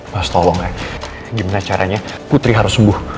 mas tolong ya gimana caranya putri harus sembuh